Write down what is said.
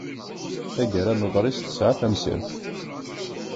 Tagara n uḍris tesɛa tamsirt.